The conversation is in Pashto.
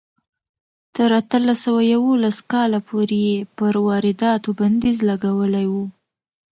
تر اتلس سوه یوولس کاله پورې یې پر وارداتو بندیز لګولی و.